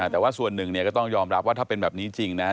แต่ว่าส่วนหนึ่งเนี่ยก็ต้องยอมรับว่าถ้าเป็นแบบนี้จริงนะ